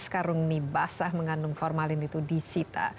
delapan belas karung mie basah mengandung formalin itu disita